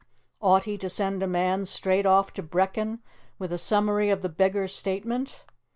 Ought he to send a man straight off to Brechin with a summary of the beggar's statement?